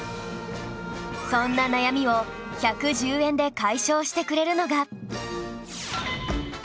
そんな悩みを１１０円で解消してくれるのが